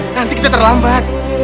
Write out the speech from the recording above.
nanti kita terlambat